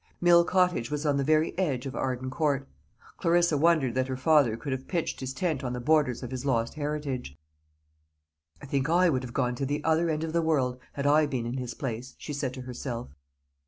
Mill Cottage was on the very edge of Arden Court. Clarissa wondered that her father could have pitched his tent on the borders of his lost heritage. "I think I would have gone to the other end of the world, had I been in his place," she said to herself.